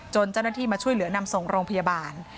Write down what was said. เจ้าหน้าที่มาช่วยเหลือนำส่งโรงพยาบาล